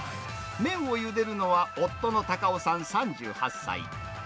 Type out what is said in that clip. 麺をゆでるのは夫の太夫さん３８歳。